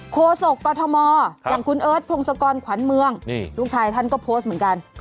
โศกกรทมอย่างคุณเอิร์ทพงศกรขวัญเมืองนี่ลูกชายท่านก็โพสต์เหมือนกัน